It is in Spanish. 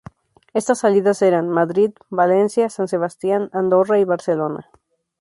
Estas salidas eran: Madrid, Valencia, San Sebastián, Andorra y Barcelona.